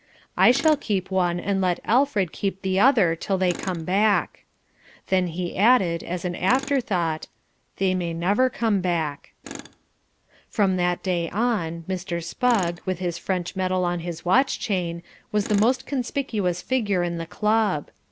"I shall keep one and let Alfred keep the other till they come back." Then he added, as an afterthought, "They may never come back." From that day on, Mr. Spugg, with his French medal on his watch chain, was the most conspicuous figure in the club.